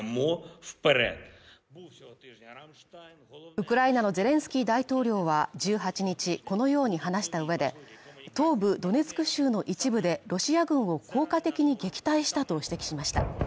ウクライナのゼレンスキー大統領は１８日、このように話した上で、東部ドネツク州の一部で、ロシア軍を効果的に撃退したと指摘しました。